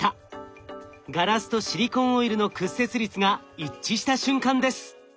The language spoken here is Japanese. ガラスとシリコンオイルの屈折率が一致した瞬間です。